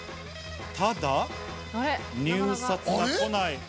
ただ、入札が来ない。